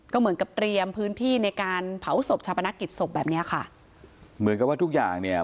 ก็เหมือนกับเตรียมพื้นที่ในการเผาศพชาปนักกิจศพแบบเนี้ยค่ะเหมือนกับว่าทุกอย่างเนี่ย